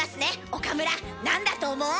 岡村何だと思う？